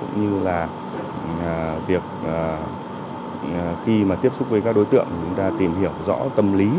cũng như là việc khi mà tiếp xúc với các đối tượng chúng ta tìm hiểu rõ tâm lý